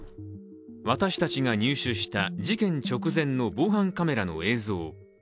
私たちが入手した事件直前の防犯カメラの映像。